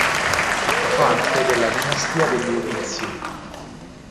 Fa parte della dinastia degli Obizzi.